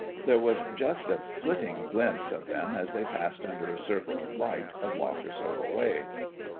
There was just a flitting glimpse of them as they passed under a circle of light a block or so away.